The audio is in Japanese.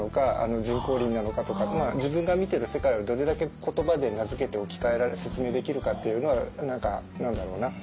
自分が見てる世界をどれだけ言葉で名づけて置き換えられる説明できるかっていうのは何だろうな。